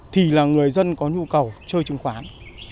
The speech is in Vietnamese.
thì là người dân có nhu cầu chơi chứng khoán